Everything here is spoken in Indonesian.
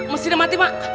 mesinnya mati mak